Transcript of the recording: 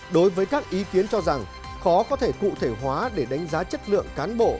đối với các ý kiến cho rằng khó có thể cụ thể hóa để đánh giá chất lượng cán bộ